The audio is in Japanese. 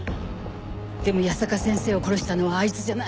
でも矢坂先生を殺したのはあいつじゃない。